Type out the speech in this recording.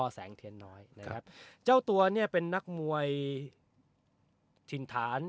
แสงเทียนน้อยนะครับเจ้าตัวเนี่ยเป็นนักมวยถิ่นฐาน